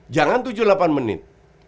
jangan tujuh delapan menit